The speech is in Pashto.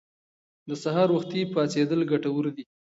د سهار وختي پاڅیدل ګټور دي.